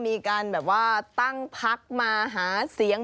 มีการแบบว่าตั้งพักมาหาเสียง